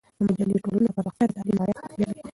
د محلي ټولنو پرمختیا د تعلیم معیار ته اړتیا لري.